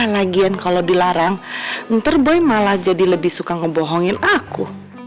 lagian kalau dilarang ntar boy malah jadi lebih suka ngebohongin aku